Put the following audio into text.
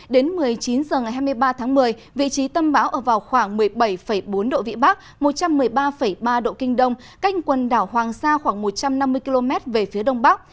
đến một mươi chín h ngày hai mươi ba tháng một mươi vị trí tâm bão ở vào khoảng một mươi bảy bốn độ vĩ bắc một trăm một mươi ba ba độ kinh đông cách quần đảo hoàng sa khoảng một trăm năm mươi km về phía đông bắc